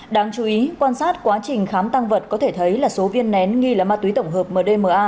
đáng chú ý quan sát quá trình khám tăng vật có thể thấy là số viên nén nghi là ma túy tổng hợp mdma